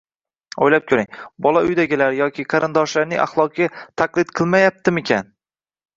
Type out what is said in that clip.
O‘ylab ko‘ring, bola uydagilar yoki qarindoshlarning axloqiga taqlid qilmayaptimikin.